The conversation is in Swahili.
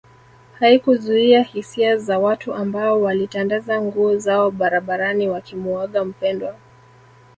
Haikuzuia hisia za watu ambao walitandaza nguo zao barabarani wakimuaga mpendwa